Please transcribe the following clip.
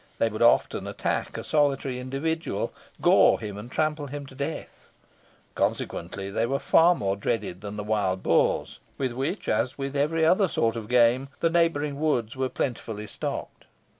They would often attack a solitary individual, gore him, and trample him to death. Consequently, they were far more dreaded than the wild boars, with which, as with every other sort of game, the neighbouring woods were plentifully stocked.